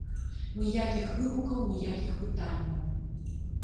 Ніякіх выгукаў, ніякіх пытанняў.